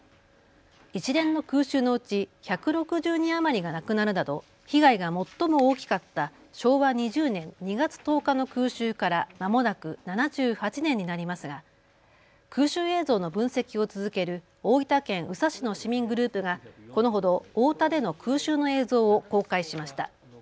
一連の空襲のうち１６０人余りが亡くなるなど被害が最も大きかった昭和２０年２月１０日の空襲からまもなく７８年になりますが空襲映像の分析を続ける大分県宇佐市の市民グループがこのほど太田での空襲の映像を公開しました。